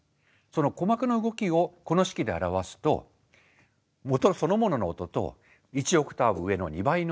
その鼓膜の動きをこの式で表すと音そのものの音と１オクターブ上の２倍の音。